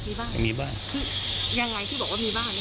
คือยังไงที่บอกว่ามีบ้าง